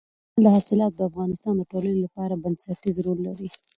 دځنګل حاصلات د افغانستان د ټولنې لپاره بنسټيز رول لري.